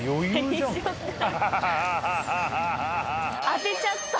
当てちゃった。